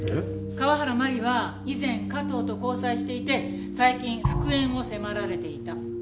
河原真里は以前加藤と交際していて最近復縁を迫られていた。